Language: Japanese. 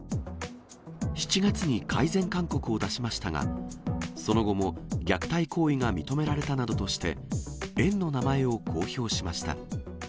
７月に改善勧告を出しましたが、その後も虐待行為が認められたなどとして、園の名前を公表しました。